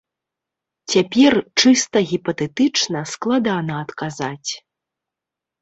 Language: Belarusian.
Цяпер, чыста гіпатэтычна, складана адказаць.